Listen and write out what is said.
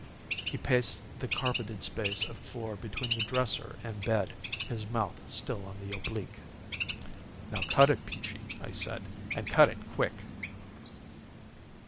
He paced the carpeted space of floor between the dresser and bed, his mouth still on the oblique. "Now cut it, Peachy, I said, and cut it quick."